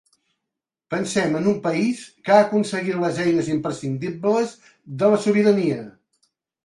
Pensem en un país que ha aconseguit les eines imprescindibles de la sobirania.